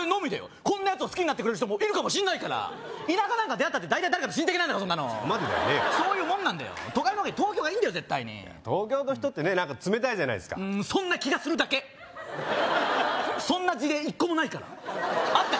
こんな奴を好きになってくれる人もいるかもしれないから田舎なんか出会ったって大体誰かと親戚なんだからそこまでじゃねえわそういうもんなんだよ東京がいいんだよ絶対に東京の人ってね冷たいじゃないですかそんな気がするだけそんな事例１個もないからあったか？